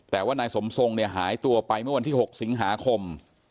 แต่ว่านายสมทรงเนี่ยหายตัวไปเมื่อวันที่๖สิงหาคม